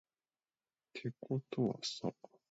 てことはさ